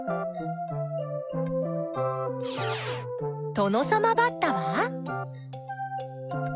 トノサマバッタは？